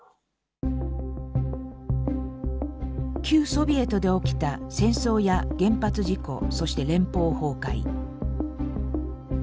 旧ソビエトで起きた戦争や原発事故そして連邦崩壊。